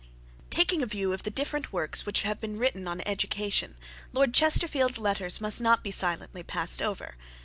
Taking a view of the different works which have been written on education, Lord Chesterfield's Letters must not be silently passed over.